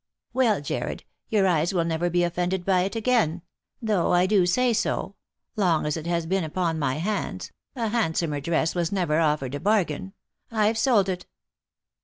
" Well, Jarred, your eyes will never be offended by it again ; though I do say so — long as it has been upon my hands — a handsomer dress was never offered a bargain. I've sold it."